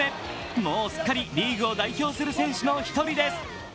もうすっかりリーグを代表する選手の１人です。